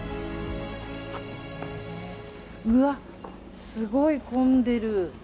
うわ、すごい混んでる。